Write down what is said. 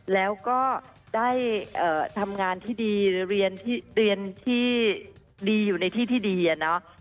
แล้วก็ได้ทำงานที่ดีเรียนที่ดีอยู่ในที่ที่ดีอะเนาะ